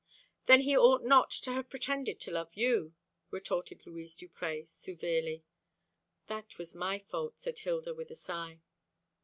"Then he ought not to have pretended to love you," retorted Louise Duprez severely. "That was my fault," said Hilda, with a sigh.